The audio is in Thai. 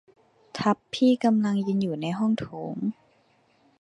ทัพพี่กำลังยืนอยู่ในห้องโถง